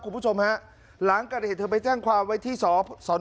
คุณผู้ชมฮะหลังการเห็นเธอไปจ้างความไว้ที่สสหนอบางชั้น